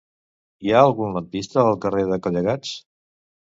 Hi ha algun lampista al carrer de Collegats?